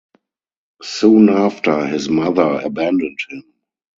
Soon after, his mother abandoned him.